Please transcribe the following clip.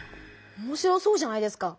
おもしろそうじゃないですか。